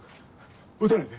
撃たないで。